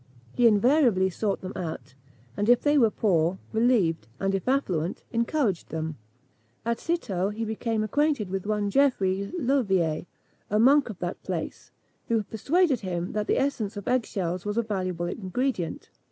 He invariably sought them out; and if they were poor, relieved, and if affluent, encouraged them. At Citeaux he became acquainted with one Geoffrey Leuvier, a monk of that place, who persuaded him that the essence of egg shells was a valuable ingredient.